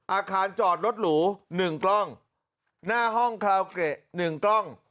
อาคารจอดรถหรู๑กล้องหน้าห้องคาราวเกะ๑กล้อง